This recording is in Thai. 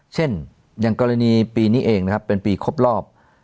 อย่างกรณีปีนี้เองนะครับเป็นปีครบรอบ